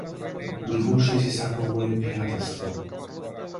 Никогаш не си сакал мое пријателство.